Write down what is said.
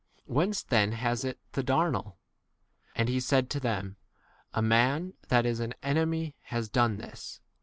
whence 28 then has it the* darnel ? And he said to them, A man [that is] an enemy has done this.